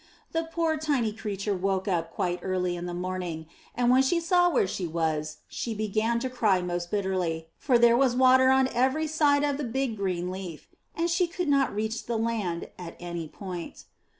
The poor, tiny little creature woke up quite early in the morning, and when she saw where she was, she began to cry most bitterly, for there was water on every side of the big green leaf, and she could not reach the land at any point.